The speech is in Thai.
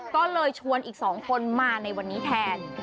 ก็เลยชวนอีก๒คนมาในวันนี้แทน